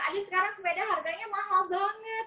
aduh sekarang sepeda harganya mahal banget